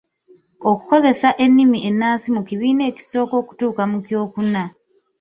Okukozesa ennimi ennansi mu kibiina ekisooka okutuuka mu kyokuna.